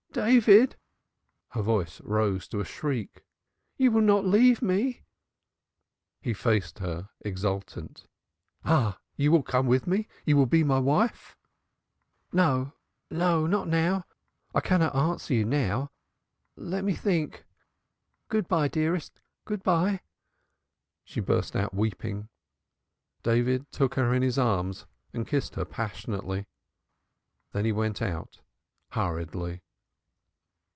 "David!" Her voice rose to a shriek. "You will not leave me?" He faced her exultant. "Ah, you will come with me. You will be my wife." "No no not now, not now. I cannot answer you now. Let me think good bye, dearest, good bye." She burst out weeping. David took her in his arms and kissed her passionately. Then he went out hurriedly.